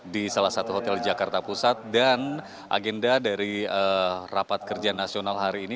di salah satu hotel di jakarta pusat dan agenda dari rapat kerja nasional hari ini